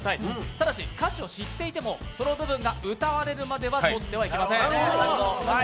ただし、歌詞を知っていてもその部分が歌われるまではマナーは守ってよ。